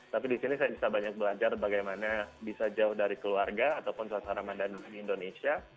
tapi di sini saya bisa banyak belajar bagaimana bisa jauh dari keluarga ataupun suasana ramadan di indonesia